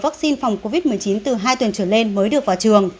trở lên mới được vào trường